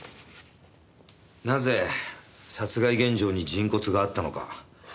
なぜ殺害現場に人骨があったのか。